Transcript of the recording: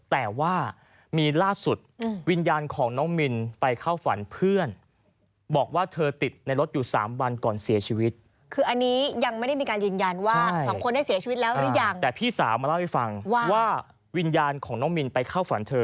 แล้วหรือยังแต่พี่สามาเล่าให้ฟังว่าวิญญาณของน้องมิลไปเข้าฝันเธอ